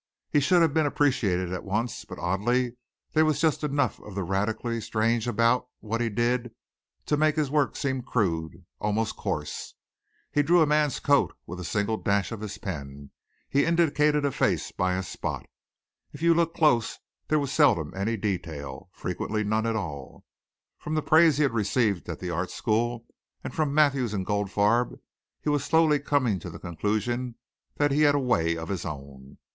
He should have been appreciated at once, but, oddly, there was just enough of the radically strange about what he did to make his work seem crude, almost coarse. He drew a man's coat with a single dash of his pen. He indicated a face by a spot. If you looked close there was seldom any detail, frequently none at all. From the praise he had received at the art school and from Mathews and Goldfarb he was slowly coming to the conclusion that he had a way of his own.